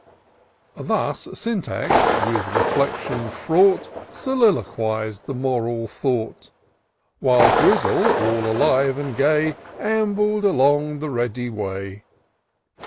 Thus Syntax, with reflection fraught, Soliloquiz'd the moral thought ; While Grizzle, all alive and gay, Ambled along the ready way.